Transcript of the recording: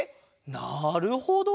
なるほど！